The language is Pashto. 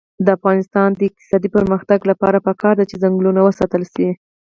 د افغانستان د اقتصادي پرمختګ لپاره پکار ده چې ځنګلونه وساتل شي.